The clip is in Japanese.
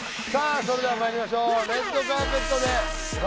それではまいりましょうレッドカーペットで笑